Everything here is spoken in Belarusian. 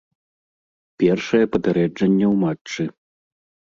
Першае папярэджанне ў матчы.